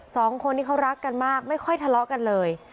สองคนนี้เขารักกันมากไม่ค่อยทะเลาะกันเลย